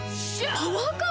パワーカーブ⁉